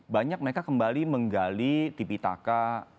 banyak mereka kembali menggali tipi taka